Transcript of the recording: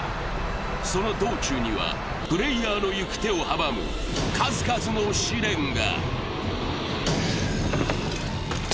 その道中にはプレーヤーの行く手を阻む数々の試練が。